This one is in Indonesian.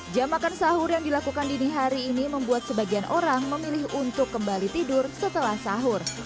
jam makan sahur yang dilakukan dini hari ini membuat sebagian orang memilih untuk kembali tidur setelah sahur